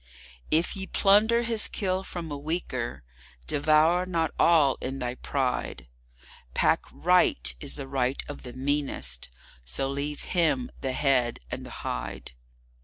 If ye plunder his Kill from a weaker, devour not all in thy pride; Pack Right is the right of the meanest; so leave him the head and the hide.